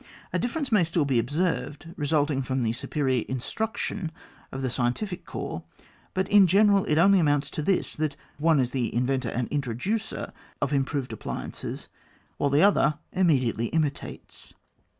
A difference may still be observed, resulting from the superior instruction of the scientific corps, but in general it only amounts to this, that one is the inventor and introducer of im proved appliances, which the other im mediately imitates.